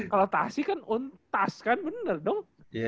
kalau taksi kan untas kan bener dong